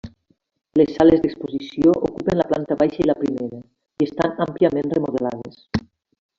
Les sales d'exposició ocupen la planta baixa i la primera, i estan àmpliament remodelades.